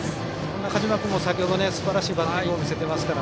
中島君も先ほどすばらしいバッティングを見せました。